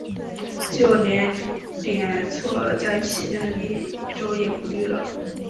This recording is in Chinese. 就连点缀在其中的绿洲也不很绿。